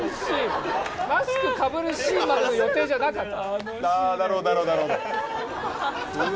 マスクかぶるシーンまでの予定じゃなかった。